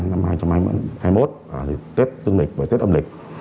năm hai nghìn hai mươi một tết tương lịch và tết âm lịch